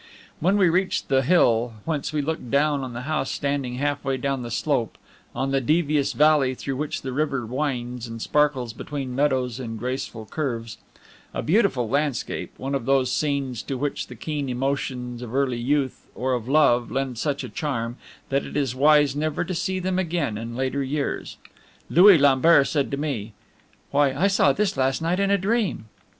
When we reached the hill, whence we looked down on the house standing half way down the slope, on the devious valley through which the river winds and sparkles between meadows in graceful curves a beautiful landscape, one of those scenes to which the keen emotions of early youth or of love lend such a charm, that it is wise never to see them again in later years Louis Lambert said to me, "Why, I saw this last night in a dream."